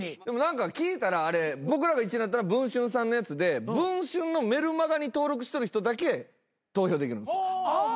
でも何か聞いたらあれ僕らが１位になったのは『文春』さんのやつで『文春』のメルマガに登録してる人だけ投票できるんですよ。